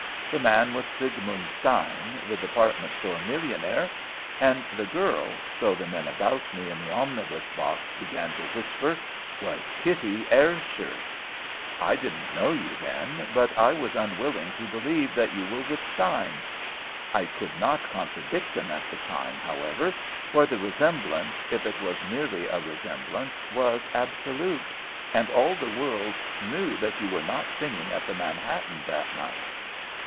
The man was Siegmund Stein, the department store millionaire, and the girl, so the men about me in the omnibus box began to whisper, was Kitty Ayrshire. I didn't know you then, but I was unwilling to believe that you were with Stein. I could not contradict them at that time, however, for the resemblance, if it was merely a resemblance, was absolute, and all the world knew that you were not singing at the Manhattan that night.